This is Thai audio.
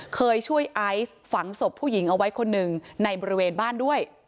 เคยช่วยไอซ์ฝังศพผู้หญิงเอาไว้คนหนึ่งในบริเวณบ้านด้วย